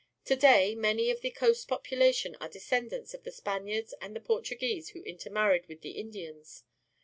To day many of the coast population are descend ants of the Spaniards and the Portuguese who intermarried with the Indians.